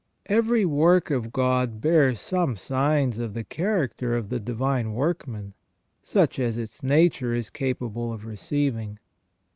Every work of God bears some signs of the character of the Divine Workman, such as its nature is capable of receiving.